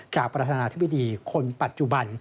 ประธานาธิบดีคนปัจจุบัน